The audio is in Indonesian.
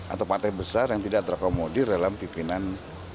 atau partai besar yang tidak terakomodir dalam pimpinan dpr maupun di mpr